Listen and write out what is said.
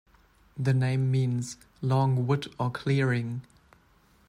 The name means 'long wood or clearing'.